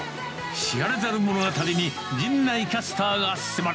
知られざる物語に、陣内キャスターが迫る。